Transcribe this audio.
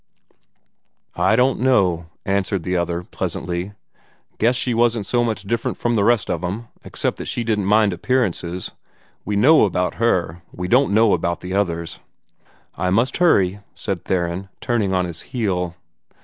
"I don't know," answered the other, pleasantly. "Guess she wasn't so much different from the rest of 'em except that she didn't mind appearances. We know about her. We don't know about the others." "I must hurry," said Theron, turning on his heel.